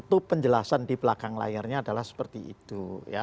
itu penjelasan di belakang layarnya adalah seperti itu